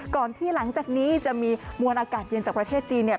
ก่อนที่หลังจากนี้จะมีมวลอากาศเย็นจากประเทศจีนเนี่ย